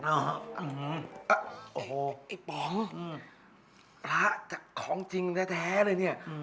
โอ้โหไอ้ป๋องพระจากของจริงแท้เลยเนี่ย